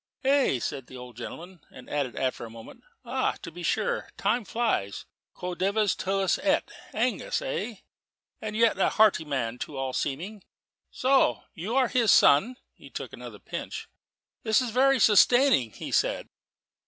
"Hey?" cried the old gentleman, and added after a moment, "Ah, to be sure, time flies quo dives Tullus et Angus, eh? And yet a hearty man, to all seeming. So you are his son." He took another pinch. "It is very sustaining," he said.